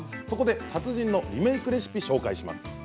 そこで達人のリメークレシピ紹介します。